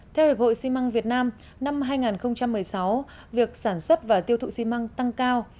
theo hiệp hội ximăng việt nam năm hai nghìn một mươi sáu việc sản xuất và tiêu thụ ximăng tăng cao